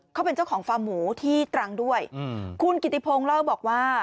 เขาเป็นเจ้าของฟาร์มหมูที่ตรังด้วยอืมคุณกิติพงศ์เล่าบอกว่า